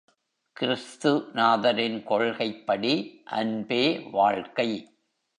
கிறிஸ்து நாதரின் கொள்கைப்படி, அன்பே வாழ்க்கை.